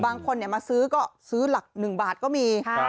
บางคนมาซื้อก็ซื้อหลัก๑บาทก็มี